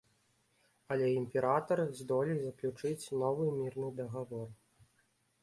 Але імператар здолей заключыць новы мірны дагавор.